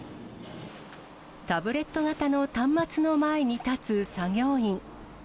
タブレット型の端末の前に立つ作業員。